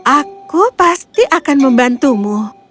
aku pasti akan membantumu